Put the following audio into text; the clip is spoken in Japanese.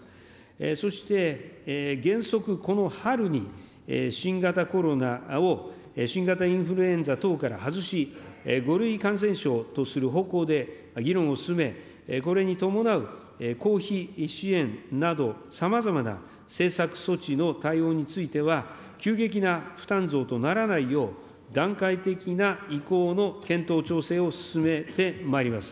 そして原則、この春に、新型コロナを新型インフルエンザ等から外し、５類感染症とする方向で議論を進め、これに伴う公費支援など、さまざまな政策措置の対応については、急激な負担増とならないよう、段階的な移行の検討調整を進めてまいります。